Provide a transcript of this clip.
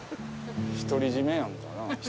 独り占めやんか。